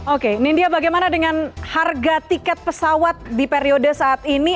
oke nindya bagaimana dengan harga tiket pesawat di periode saat ini